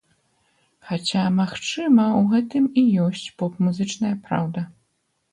Хаця, магчыма, у гэтым і ёсць поп-музычная праўда.